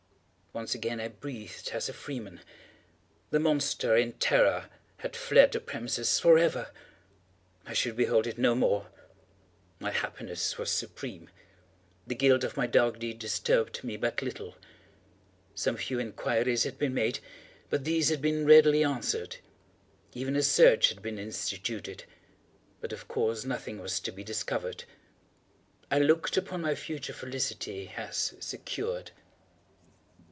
Once again I breathed as a freeman. The monster, in terror, had fled the premises forever! I should behold it no more! My happiness was supreme! The guilt of my dark deed disturbed me but little. Some few inquiries had been made, but these had been readily answered. Even a search had been instituted—but of course nothing was to be discovered. I looked upon my future felicity as secured.